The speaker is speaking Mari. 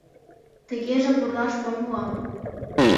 — Тыгеже пурлаш мый муам.